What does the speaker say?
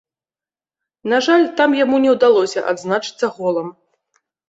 На жаль, там яму не ўдалося адзначыцца голам.